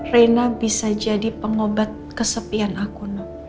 rena bisa jadi pengobat kesepian aku